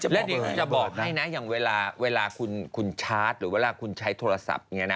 จะบอกให้นะอย่างเวลาคุณชาร์จหรือเวลาคุณใช้โทรศัพท์